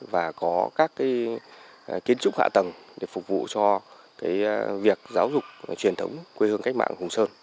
và có các kiến trúc hạ tầng để phục vụ cho việc giáo dục truyền thống quê hương cách mạng hùng sơn